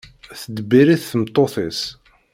Teddebbir-it tmeṭṭut-is.